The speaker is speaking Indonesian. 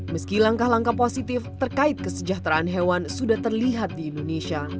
meski langkah langkah positif terkait kesejahteraan hewan sudah terlihat di indonesia